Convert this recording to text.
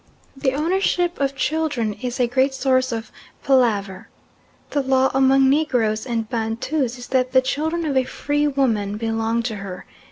The ownership of children is a great source of palaver. The law among Negroes and Bantus is that the children of a free woman belong to her.